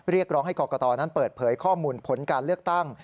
เรียกร้องให้กรกตนั้นเปิดเผยข้อมูลผลการเลือกตั้ง